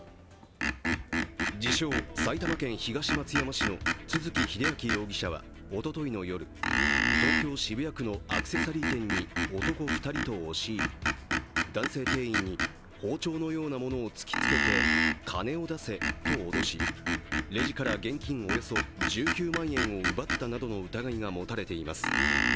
自称、埼玉県東松山市の都築英明容疑者はおとといの夜、東京・渋谷区のアクセサリー店に男２人と押し入り、男性店員に包丁のようなものを突きつけて、金を出せと脅しレジから現金およそ１９万延を奪った疑いが持たれています。